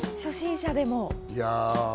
初心者でも。